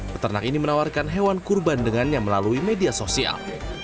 peternak ini menawarkan hewan kurban dengannya melalui media sosial